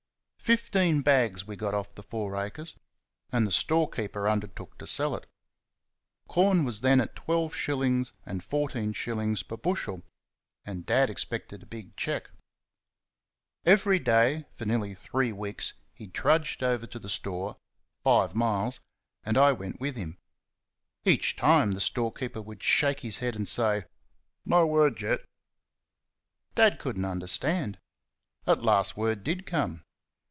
Fifteen bags we got off the four acres, and the storekeeper undertook to sell it. Corn was then at 12 shillings and 14 shillings per bushel, and Dad expected a big cheque. Every day for nearly three weeks he trudged over to the store (five miles) and I went with him. Each time the storekeeper would shake his head and say "No word yet." Dad could n't understand. At last word did come.